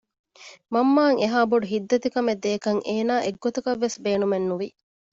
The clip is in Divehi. މަންމައަށް އެހާ ބޮޑު ހިތްދަތިކަމެއް ދޭކަށް އޭނާ އެއްގޮތަކަށްވެސް ބޭނުމެއް ނުވެ